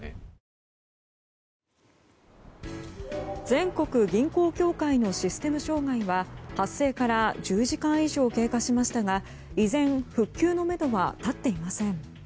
全国銀行協会のシステム障害は発生から１０時間以上経過しましたが依然、復旧のめどは立っていません。